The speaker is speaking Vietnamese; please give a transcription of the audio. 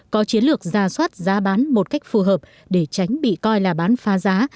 có chiến lược ra soát giá bán một cách phù hợp để tránh bị coi là bán phá giá